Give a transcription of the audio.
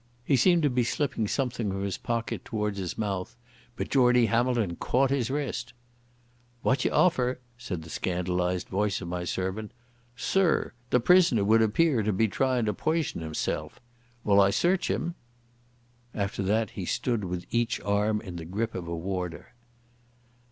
He seemed to be slipping something from his pocket towards his mouth, but Geordie Hamilton caught his wrist. "Wad ye offer?" said the scandalised voice of my servant. "Sirr, the prisoner would appear to be trying to puishon hisself. Wull I search him?" After that he stood with each arm in the grip of a warder.